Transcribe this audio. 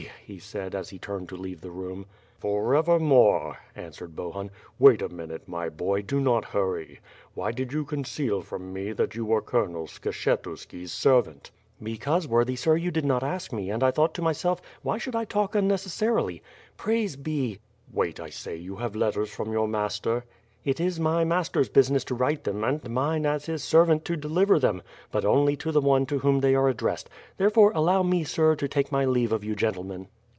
he said, as he turned to leave the room. "Forevermore," answered Bohun. "Wait a minute, my boy, do not hurry. Why did you conceal from me that you were Colonel Skshetuski's servant?" "Because, worthy sir, you did not ask me and I thought to myself, *Why should I talk unnecessarily. Praise be ....'" "Wait, I say, you have letters from your master?" "It is my master's business to write them; and mine, as his servant, to deliver them. But only to the one to whom they are addressed; therefore, allow me, sir, to take my leave of you gentlemen."